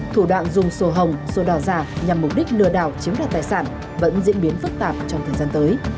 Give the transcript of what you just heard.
thủ đoạn dùng sổ hồng sổ đỏ già nhằm mục đích lừa đảo chiếm đặt tài sản vẫn diễn biến phức tạp trong thời gian tới